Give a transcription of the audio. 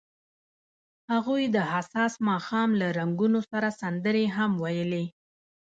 هغوی د حساس ماښام له رنګونو سره سندرې هم ویلې.